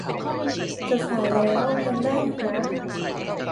จะสายแล้ว ยัง ได้อีกนะ